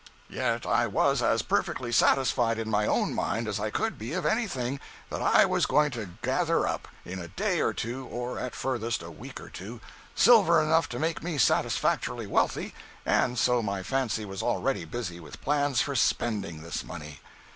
Yet I was as perfectly satisfied in my own mind as I could be of anything, that I was going to gather up, in a day or two, or at furthest a week or two, silver enough to make me satisfactorily wealthy—and so my fancy was already busy with plans for spending this money.